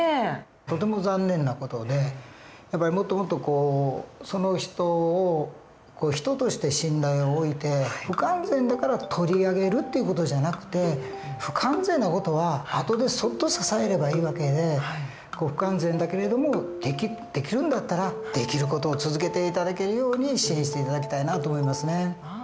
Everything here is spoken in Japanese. とても残念な事でやっぱりもっともっとその人を人として信頼を置いて不完全だから取り上げるっていう事じゃなくて不完全な事は後でそっと支えればいい訳で不完全だけれどもできるんだったらできる事を続けて頂けるように支援して頂きたいなと思いますね。